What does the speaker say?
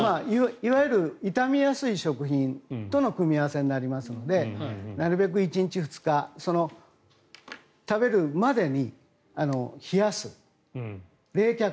いわゆる傷みやすい食品との組み合わせになりますのでなるべく１日、２日食べるまでに冷やす、冷却。